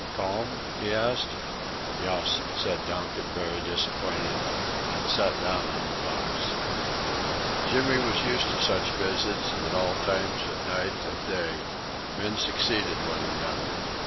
"Calm?" he asked. "Yuss," said Donkin, very disappointed, and sat down on the box. Jimmy was used to such visits at all times of night of day. Men succeeded one another.